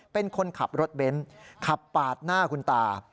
เป็นคนขับรถเบนท์ขับปาดหน้าคุณตา